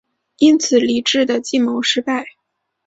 因此黎质的计谋失败。